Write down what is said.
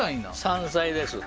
山菜です